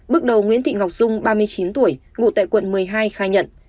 bước đầu nguyễn thị ngọc dung ba mươi chín tuổi ngụ tại quận một mươi hai khai nhận